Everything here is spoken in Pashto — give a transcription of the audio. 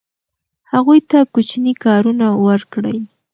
هغوی ته کوچني کارونه ورکړئ.